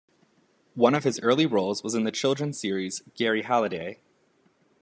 One of his early roles was in the children's series "Garry Halliday".